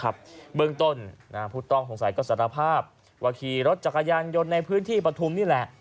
เบื้องต้นผู้ต้องสงสัยก็สารภาพว่าขี่รถจักรยานยนต์ในพื้นที่ปฐุมนี่แหละ